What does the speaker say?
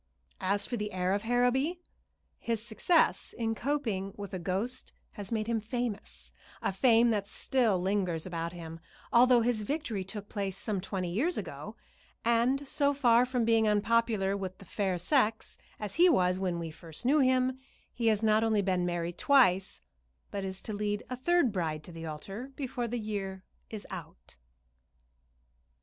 As for the heir of Harrowby, his success in coping with a ghost has made him famous, a fame that still lingers about him, although his victory took place some twenty years ago; and so far from being unpopular with the fair sex, as he was when we first knew him, he has not only been married twice, but is to lead a third bride to the altar before the year is out.